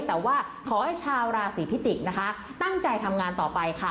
แต่ว่าขอให้ชาวราศีพิจิกษ์นะคะตั้งใจทำงานต่อไปค่ะ